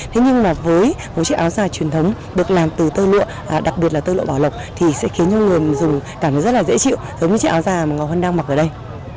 thế nhưng mà với một chiếc áo dài truyền thống được làm từ tơ lụa đặc biệt là tơ lụa bảo lộc thì sẽ khiến cho người dùng cảm thấy rất là dễ chịu giống như chiếc áo dài mà ngọc hân đang mặc ở đây